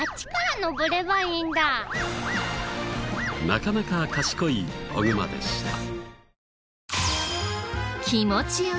なかなか賢い子グマでした。